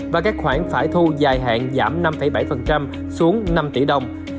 và các khoản phải thu dài hạn giảm năm bảy xuống năm tỷ đồng